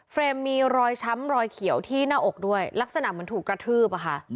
รมมีรอยช้ำรอยเขียวที่หน้าอกด้วยลักษณะเหมือนถูกกระทืบอะค่ะ